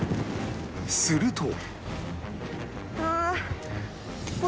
すると